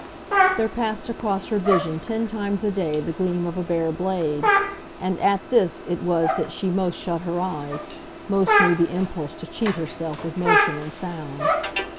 There passed across her vision ten times a day the gleam of a bare blade, and at this it was that she most shut her eyes, most knew the impulse to cheat herself with motion and sound.